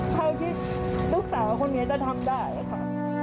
เท่าที่ลูกสาวคนนี้จะทำได้ค่ะ